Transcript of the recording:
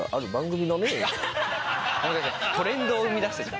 トレンドを生み出した。